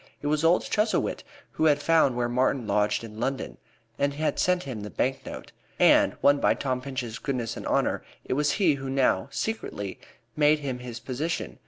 It was old Chuzzlewit who had found where Martin lodged in London, and had sent him the bank note. And, won by Tom Pinch's goodness and honor, it was he who now, secretly, made him this position.